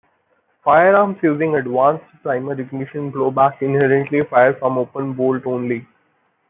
Firearms using Advanced Primer Ignition blowback inherently fire from open bolt only.